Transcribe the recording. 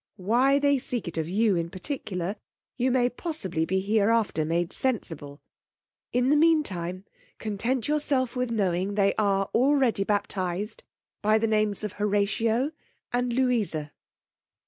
Why they seek it of you in particular, you may possibly be hereafter made sensible. In the mean time content yourself with knowing they are already baptized by the names of Horatio and Louisa.'